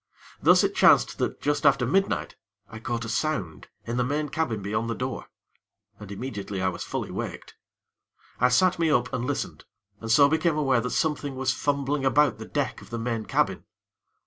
Thus, it chanced that just after midnight, I caught a sound in the main cabin beyond the door, and immediately I was fully waked. I sat me up and listened, and so became aware that something was fumbling about the deck of the main cabin.